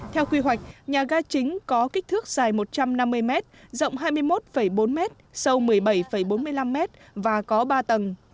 theo quy hoạch nhà ga chính có kích thước dài một trăm năm mươi m rộng hai mươi một bốn m sâu một mươi bảy bốn mươi năm m và có ba tầng